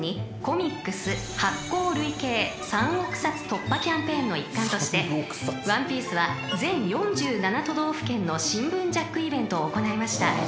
突破キャンペーンの一環として『ワンピース』は全４７都道府県の新聞ジャックイベントを行いました］